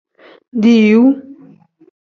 Diiwu.